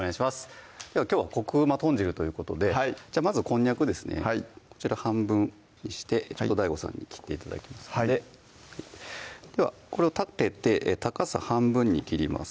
きょうは「こくうま豚汁」ということでまずこんにゃくですねこちら半分にしてちょっとＤＡＩＧＯさんに切って頂きますのでこれを立てて高さ半分に切ります